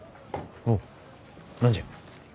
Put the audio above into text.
おう何じゃ？